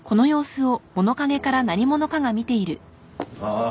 ああ。